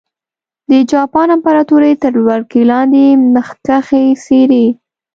د جاپان امپراتورۍ تر ولکې لاندې مخکښې څېرې.